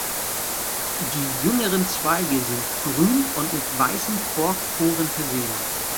Die jüngeren Zweige sind grün und mit weißen Korkporen versehen.